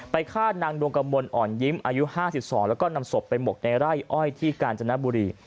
ฆ่านางดวงกระมวลอ่อนยิ้มอายุ๕๒แล้วก็นำศพไปหมกในไร่อ้อยที่กาญจนบุรี